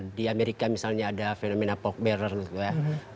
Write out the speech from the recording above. di amerika misalnya ada fenomena pork bearer gitu ya